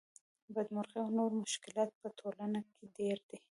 بدمرغۍ او نور مشکلات په ټولنه کې ډېر دي